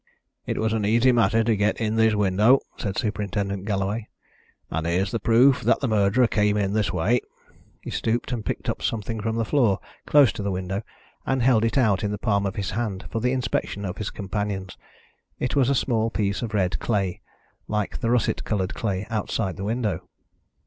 "It was an easy matter to get in this window," said Superintendent Galloway. "And here's the proof that the murderer came in this way." He stooped and picked up something from the floor, close to the window, and held it out in the palm of his hand for the inspection of his companions. It was a small piece of red clay, like the russet coloured clay outside the window.